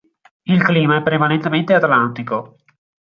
Il clima è prevalentemente atlantico.